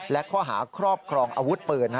และข้อหาครอบครองอาวุธปืน